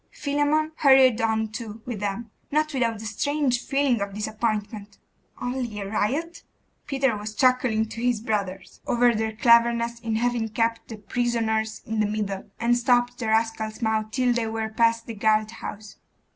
Philammon hurried on too with them, not without a strange feeling of disappointment. 'Only a riot!' Peter was chuckling to his brothers over their cleverness in 'having kept the prisoners in the middle, and stopped the rascals' mouths till they were past the guard house.